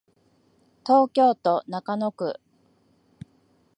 東京都中野区